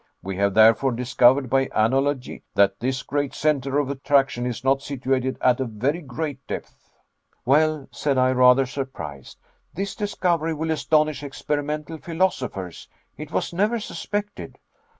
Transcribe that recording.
We have therefore discovered by analogy, that this great centre of attraction is not situated at a very great depth." "Well," said I, rather surprised, "this discovery will astonish experimental philosophers. It was never suspected."